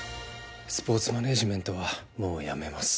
スポーツマネージメントはもう辞めます